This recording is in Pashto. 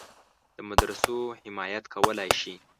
د مدرسو حمایت کولای شي.